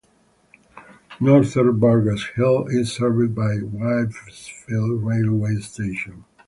Northern Burgess Hill is served by Wivelsfield railway station.